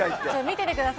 見ててください。